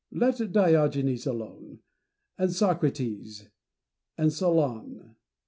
Diogenes. Let Diogenes alone, and Socrates, and Solon.